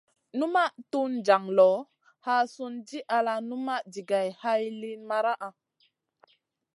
Numaʼ tun jaŋ loʼ, haa sùn di ala numaʼ jigay hay liyn maraʼa.